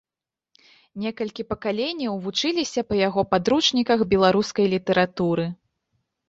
Некалькі пакаленняў вучыліся па яго падручніках беларускай літаратуры.